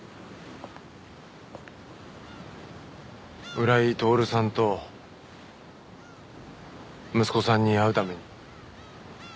浦井徹さんと息子さんに会うために。